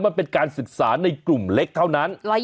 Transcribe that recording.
มันเป็นการศึกษาในกลุ่มเล็กเท่านั้น